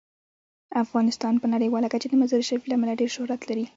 افغانستان په نړیواله کچه د مزارشریف له امله ډیر شهرت لري.